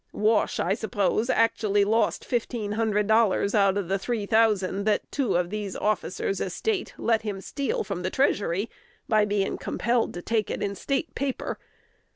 Wash, I s'pose, actually lost fifteen hundred dollars out of the three thousand that two of these 'officers of State' let him steal from the treasury, by being compelled to take it in State paper.